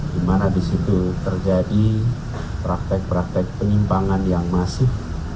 dimana disitu terjadi praktek praktek penyimpangan yang masif